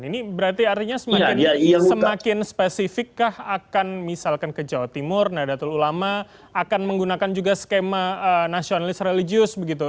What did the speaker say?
ini berarti artinya semakin spesifik kah akan misalkan ke jawa timur nadatul ulama akan menggunakan juga skema nasionalis religius begitu